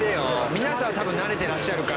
皆さんは多分慣れてらっしゃるから。